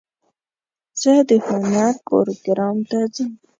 زه د هنر پروګرام ته ځم.